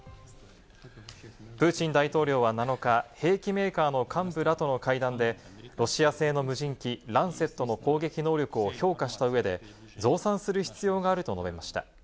プーチン大統領は７日、兵器メーカーの幹部らとの会談で、ロシア製の無人機・ランセットの攻撃能力を評価した上で増産する必要があると述べました。